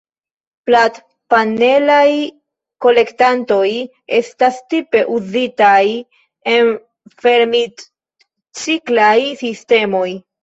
Platpanelaj kolektantoj estas tipe uzitaj en fermitciklaj sistemoj.